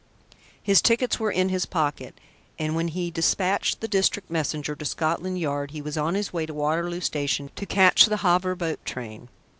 His tickets were in his pocket, and when he despatched the district messenger to Scotland Yard he was on his way to Waterloo station to catch the Havre boat train.